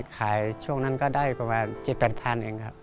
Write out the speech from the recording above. ช่วงนั้นก็ได้ประมาณ๗๘๐๐เองครับ